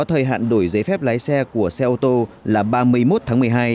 thời hạn đổi giấy phép lái xe của xe ô tô là ba mươi một tháng một mươi hai